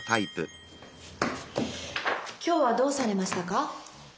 今日はどうされましたか？